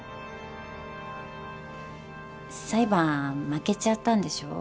裁判負けちゃったんでしょ。